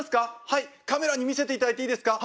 はいカメラに見せていただいていいですか？